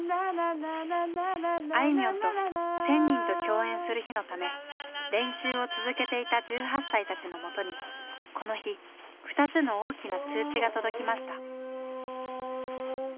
あいみょんと１，０００人と共演する日のため練習を続けていた１８歳たちのもとにこの日２つの大きな通知が届きました。